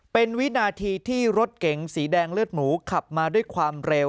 เป็นวินาทีที่รถเก๋งสีแดงเลือดหมูขับมาด้วยความเร็ว